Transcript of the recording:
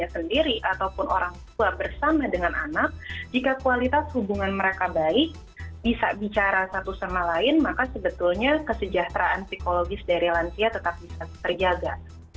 mereka sendiri ataupun orang tua bersama dengan anak jika kualitas hubungan mereka baik bisa bicara satu sama lain maka sebetulnya kesejahteraan psikologis dari lansia tetap bisa terjaga